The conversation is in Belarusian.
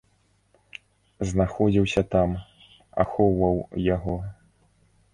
Знаходзіўся там, ахоўваў яго.